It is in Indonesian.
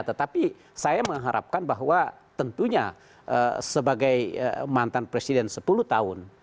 tetapi saya mengharapkan bahwa tentunya sebagai mantan presiden sepuluh tahun